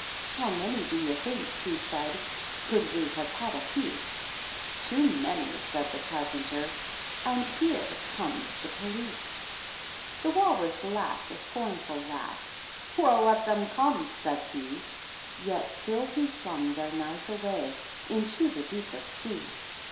^ How many do you thinhy he said, ^ Could we have had apiece f ^ Too many^ said the Carpenter ;^ And here comes the police.^ THE TWEEDLE8. The Walrus laughed a scornful laugh, ' WeU, let them come /' said he. Yet still he jlung their knife away Into the deepest sea.